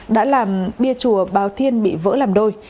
đã làm bia chùa bào thiên bị vỡ làm đôi